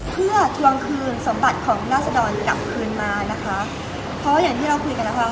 เพื่อทวงคืนสมบัติของราศดรกลับคืนมานะคะเพราะอย่างที่เราคุยกันนะคะ